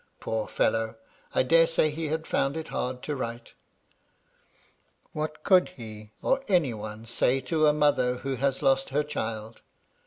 Poor fellow ! I dare say he had found it hard to write. What could he — or any one — say to a mother who has lost her child